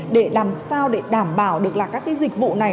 để làm sao để đảm bảo được là các cái dịch vụ này